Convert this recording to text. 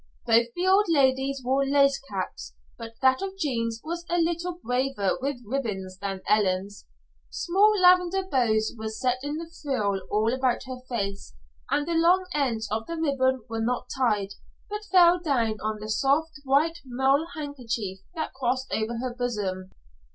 Both the old ladies wore lace caps, but that of Jean's was a little braver with ribbons than Ellen's. Small lavender bows were set in the frill all about her face, and the long ends of the ribbon were not tied, but fell down on the soft white mull handkerchief that crossed over her bosom.